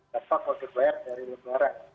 berapa kuasa bayar dari luar negara